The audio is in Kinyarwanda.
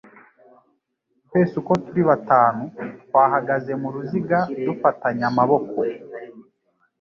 Twese uko turi batanu twahagaze muruziga dufatanye amaboko